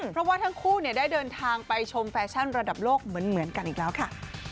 เพราะว่าทั้งคู่ได้เดินทางไปชมแฟชั่นระดับโลกเหมือนกันอีกแล้วค่ะ